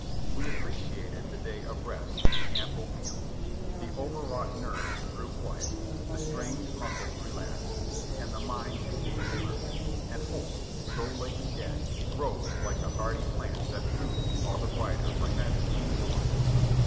We appreciated the day of rest and the ample meals ; the over wrought nerves grew quiet, the strained muscles relaxed, and the mind became alert, and hope, so lately dead, rose like a hardy plant that blooms all the brighter for having lain dormant.